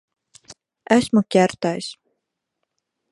Esmu ķertais.